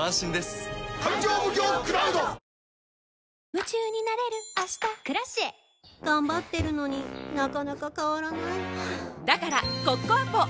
夢中になれる明日「Ｋｒａｃｉｅ」頑張ってるのになかなか変わらないはぁだからコッコアポ！